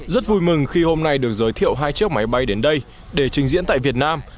rất vui mừng khi hôm nay được giới thiệu hai chiếc máy bay đến đây để trình diễn tại việt nam